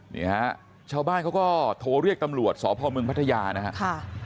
นี่ฮะชาวบ้านเขาก็โทรเรียกตำรวจสพมพัทยานะครับ